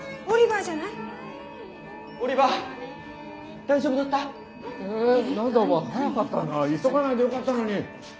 急がないでよかったのに。